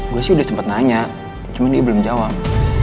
gue sih udah sempet nanya cuman dia belum jawab